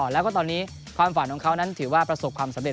แล้วก็ตอนนี้ความฝันของเขานั้นถือว่าประสบความสำเร็